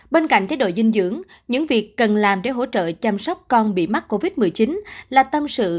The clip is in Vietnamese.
bên cạnh chế độ dinh dưỡng những việc cần làm để hỗ trợ chăm sóc con bị mắc covid một mươi chín là tâm sự